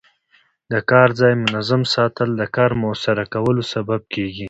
د کار ځای منظم ساتل د کار موثره کولو سبب کېږي.